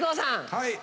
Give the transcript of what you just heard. はい。